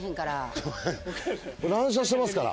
乱射しますから。